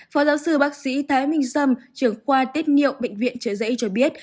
phó giáo sư bác sĩ thái minh sâm trưởng khoa tiết nhiệu bệnh viện trợ giấy cho biết